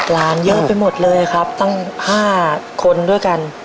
ร้านเยอะไปหมดเลยครับตั้ง๕คนด้วยกัน